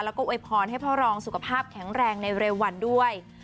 แล้วก็โวยพรให้พ่อรองสุขภาพแข็งแรงในเร็ววันด้วย